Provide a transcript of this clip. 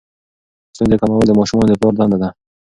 ستونزې کمول د ماشومانو د پلار دنده ده.